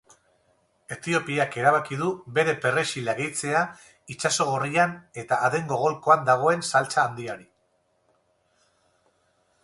Etiopiak erabaki du bere perrexila gehitzea Itsaso Gorrian eta Adengo golkoan dagoen saltsa handiari.